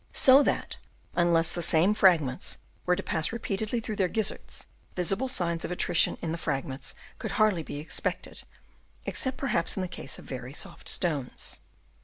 So that unless the same fragments were to pass re peatedly through their gizzards, visible signs of attrition in the fragments could hardly be expected, except perhaps in the case of very soft stones.